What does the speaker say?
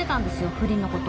不倫のこと。